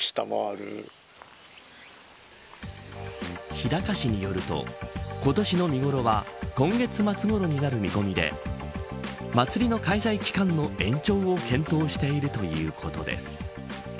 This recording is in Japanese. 日高市によると今年の見頃は今月末ごろになる見込みで祭りの開催期間の延長を検討しているということです。